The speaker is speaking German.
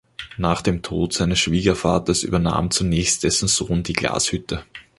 Nach dem Tod seines Schwiegervaters übernahm zunächst dessen Sohn die Glashütte.